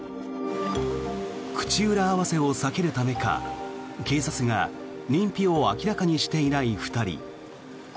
口裏合わせを避けるためか警察が認否を明らかにしていない２人。